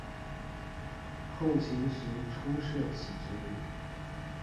后秦时初设此职名。